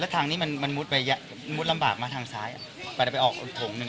แล้วทางนี้มันมุดลำบากมาทางซ้ายไปออกถงนึง